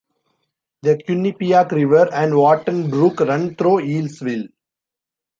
The Quinnipiac River and Wharton Brook run through Yalesville.